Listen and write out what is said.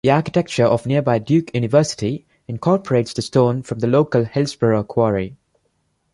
The architecture of nearby Duke University incorporates the stone from the local Hillsborough Quarry.